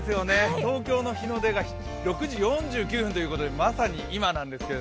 東京の日の出が６時４９分ということでまさに今なんですけど。